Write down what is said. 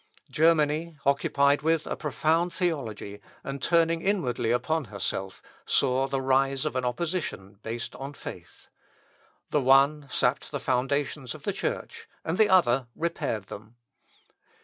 Germany, occupied with a profound theology, and turned inwardly upon herself, saw the rise of an opposition based on faith. The one sapped the foundations of the Church, and the other repaired them.